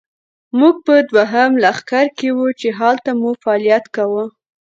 موږ په دوهم لښکر کې وو، چې هلته مو فعالیت کاوه.